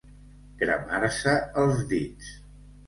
Cremar-se els dits.